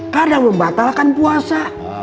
kadang membatalkan puasa